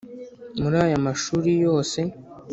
Muri aya mashuri yose